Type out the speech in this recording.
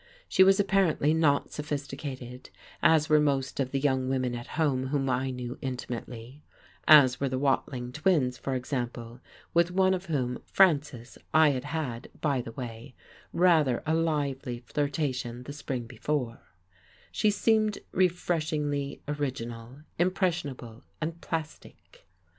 She was apparently not sophisticated, as were most of the young women at home whom I knew intimately (as were the Watling twins, for example, with one of whom, Frances, I had had, by the way, rather a lively flirtation the spring before); she seemed refreshingly original, impressionable and plastic....